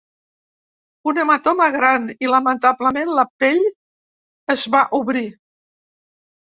Un hematoma gran i, lamentablement, la pell es va obrir.